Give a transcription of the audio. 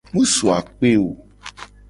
Mu su akpe o.